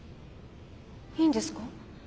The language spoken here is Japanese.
いいんですか？